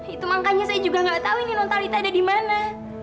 itu makanya saya juga nggak tahu ini non talita ada di mana